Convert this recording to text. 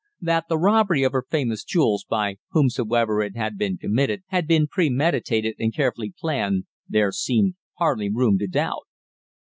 That the robbery of her famous jewels, by whomsoever it had been committed, had been premeditated and carefully planned, there seemed hardly room to doubt.